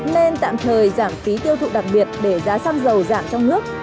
nên tạm thời giảm phí tiêu thụ đặc biệt để giá xăng dầu giảm trong nước